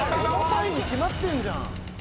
重たいに決まってんじゃん。